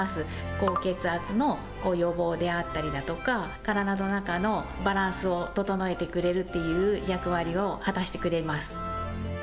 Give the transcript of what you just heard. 高血圧の予防であったりだとか、体の中のバランスを整えてくれるっていう役割を果たしてくれます。